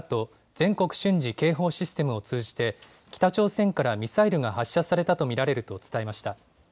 ・全国瞬時警報システムを通じて北朝鮮からミサイルが発射されたと見られると伝えました。